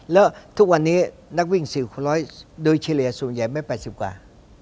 แล้วทุกวันนี้นักวิ่ง๔คูณร้อยโดยเฉลี่ยส่วนใหญ่ไม่๘๐กว่า